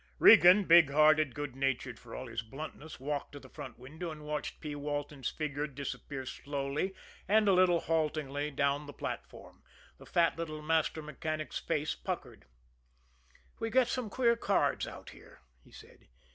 Regan, big hearted, good natured for all his bluntness, walked to the front window and watched P. Walton's figure disappear slowly, and a little haltingly, down the platform. The fat little master mechanic's face puckered. "We get some queer cards out here," he said.